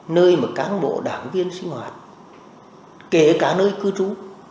nơi mà cán bộ đảng viên sinh hoạt kể cả nơi cư trú